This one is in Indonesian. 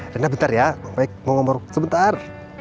rena bentar ya mau ngomong sebentar